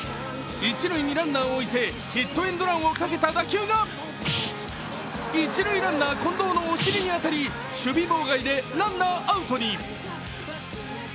一塁にランナーを置いてヒットエンドランをかけた打球が一塁ランナー・近藤のお尻に当たり守備妨害でランナーアウトに。